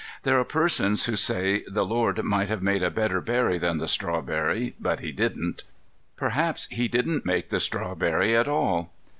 There are persons who say the Lord might have made a better berry than the strawberry, but He didn't. Perhaps He didn't make the strawberry at all.